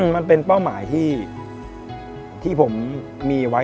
มันเป็นเป้าหมายที่ผมมีไว้